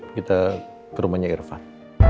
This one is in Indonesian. kita ke rumahnya irfan